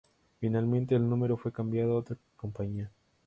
Finalmente el número fue cambiado a otra compañía.